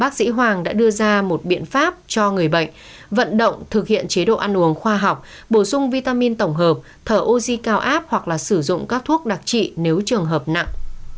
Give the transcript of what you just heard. bác sĩ hoàng đã đưa ra một biện pháp cho người bệnh vận động thực hiện chế độ ăn uống khoa học bổ sung vitamin tổng hợp thở oxy cao áp hoặc là sử dụng các thuốc đặc trị nếu trường hợp nặng